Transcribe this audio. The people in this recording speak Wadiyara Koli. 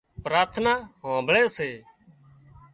پراٿنا هانمڀۯي سي